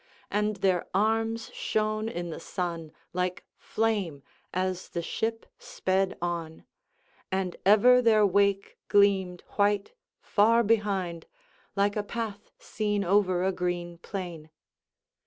And their arms shone in the sun like flame as the ship sped on; and ever their wake gleamed white far behind, like a path seen over a green plain.